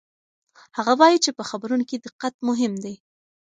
هغه وایي چې په خبرونو کې دقت مهم دی.